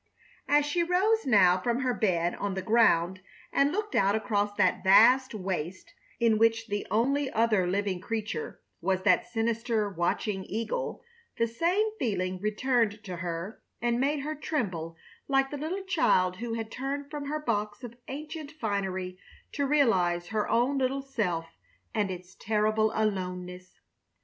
As she rose now from her bed on the ground and looked out across that vast waste, in which the only other living creature was that sinister, watching eagle, the same feeling returned to her and made her tremble like the little child who had turned from her box of ancient finery to realize her own little self and its terrible aloneness.